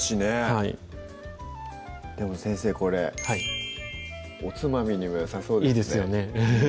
はいでも先生これおつまみにもよさそうですねいいですよね